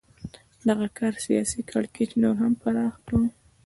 دغه کار سیاسي کړکېچ نور هم پراخ کړ.